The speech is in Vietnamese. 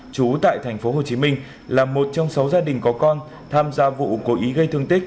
chú tại tp hcm là một trong sáu gia đình có con tham gia vụ cố ý gây thương tích